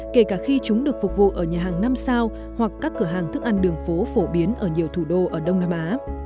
kể cả khi chúng được phục vụ ở nhà hàng năm sao hoặc các cửa hàng thức ăn đường phố phổ biến ở nhiều thủ đô ở đông nam á